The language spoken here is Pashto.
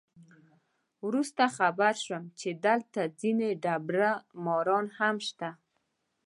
وروسته خبر شوم چې دلته ځینې دبړه ماران هم شته.